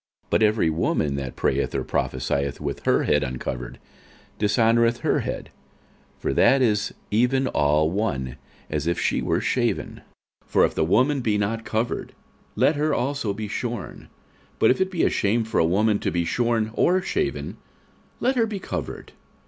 46:011:005 But every woman that prayeth or prophesieth with her head uncovered dishonoureth her head: for that is even all one as if she were shaven. 46:011:006 For if the woman be not covered, let her also be shorn: but if it be a shame for a woman to be shorn or shaven, let her be covered.